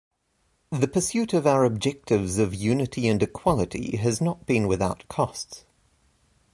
The pursuit of our objectives of unity and equality has not been without costs.